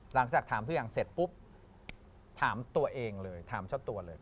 หลังจากถามทุกอย่างเสร็จปุ๊บถามตัวเองเลยถามเจ้าตัวเลย